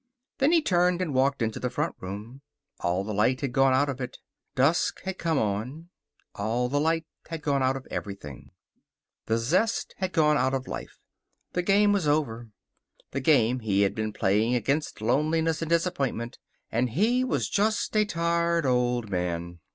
Then he turned and walked into the front room. All the light had gone out of it. Dusk had come on. All the light had gone out of everything. The zest had gone out of life. The game was over the game he had been playing against loneliness and disappointment. And he was just a tired old man.